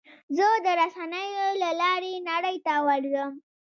زه د رسنیو له لارې نړۍ ته ورځم.